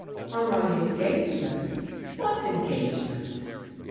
"On my engagement! What engagement?"